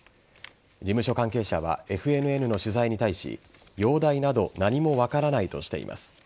事務所関係者はＦＮＮの取材に対し容態など何も分からないとしています。